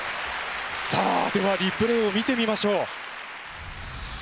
さあではリプレイを見てみましょう。